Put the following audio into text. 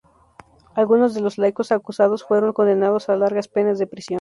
Algunos de los laicos acusados fueron condenados a largas penas de prisión.